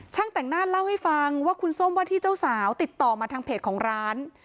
แต่งหน้าเล่าให้ฟังว่าคุณส้มว่าที่เจ้าสาวติดต่อมาทางเพจของร้าน